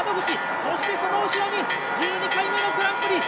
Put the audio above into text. そして、その後ろに１２回目のグランプリ。